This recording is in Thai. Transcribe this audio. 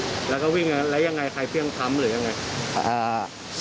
อืมแล้วก็วิ่งไล่ยังไงใครเพียงทำหรือยังไง